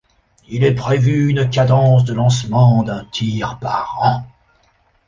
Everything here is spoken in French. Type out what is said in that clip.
Il est prévu une cadence de lancement d'un tir par an.